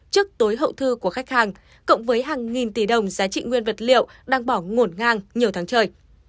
trước tối hậu thư của khách hàng cộng với hàng nghìn tỷ đồng giá trị nguyên vật liệu đang bỏ ngổn ngang nhiều tháng trời